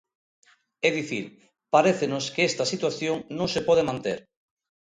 É dicir, parécenos que esta situación non se pode manter.